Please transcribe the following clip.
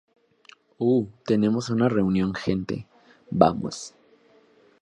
Uh, tenemos una reunión, gente. Vamos.